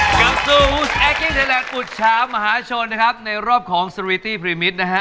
กลับสู่แอคกิ้งไทยแลนดอุจชามหาชนนะครับในรอบของสรีตี้พรีมิตรนะฮะ